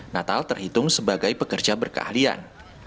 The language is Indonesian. natal terhitung sebagai pekerja berkeahlian